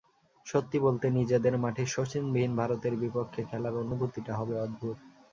সত্যি বলতে, নিজেদের মাঠে শচীনবিহীন ভারতের বিপক্ষে খেলার অনুভূতিটা হবে অদ্ভুত।